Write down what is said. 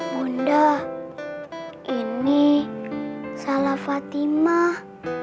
bunda ini salah fatimah